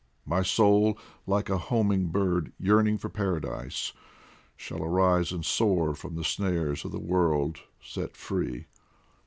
My soul, like a homing bird, yearning for Paradise, Shall arise and soar, from the snares of the world set free.